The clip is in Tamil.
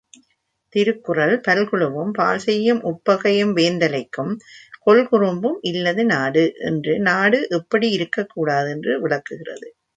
திருக்குறள் பல்குழுவும் பாழ்செய்யும் உட்பகையும் வேந்தலைக்கும் கொல்குறும்பும் இல்லது நாடு என்று நாடு எப்படி இருக்கக்கூடாது என்று விளக்குகிறது!